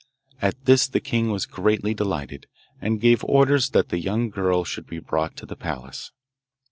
At this the king was greatly delighted, and gave orders that the young girl should be brought to the palace.